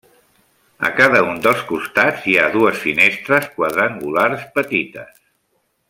A cada un dels costats hi ha dues finestres quadrangulars petites.